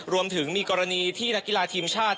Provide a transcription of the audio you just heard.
รวมถึงมีกรณีที่นักกีฬาทีมชาติ